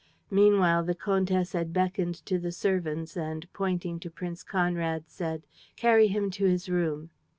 Meanwhile the Countess had beckoned to the servants and, pointing to Prince Conrad, said: "Carry him to his room."